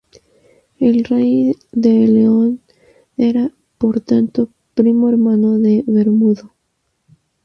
El rey de León era, por tanto, primo hermano de Bermudo.